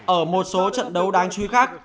ở một số trận đấu đáng chú ý khác